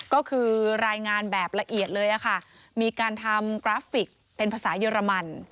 ก็คือรายงานแบบละเอียดเลยค่ะมีการทำกราฟิกเป็นภาษาเยอรมัน